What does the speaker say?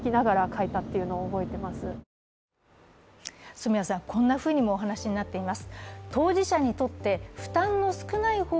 染矢さん、こんなふうにもお話になっています。